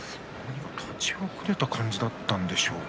立ち遅れたような感じだったんでしょうか。